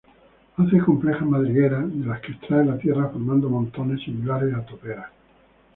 Hace complejas madrigueras de las que extrae la tierra formando montones similares a toperas.